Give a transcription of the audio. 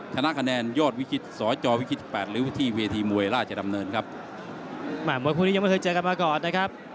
เมื่อคู่นี้ยังไม่เคยเจอกันมาก่อนนะครับ